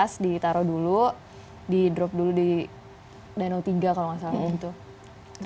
sesaat lagi dalam insight